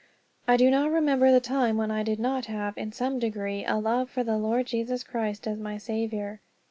I do not remember the time when I did not have in some degree a love for the Lord Jesus Christ as my Saviour.